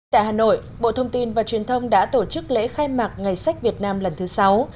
tại hà nội bộ thông tin và truyền thông đã tổ chức lễ khai mạc ngày sách việt nam lần thứ sáu